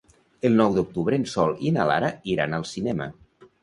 El nou d'octubre en Sol i na Lara iran al cinema.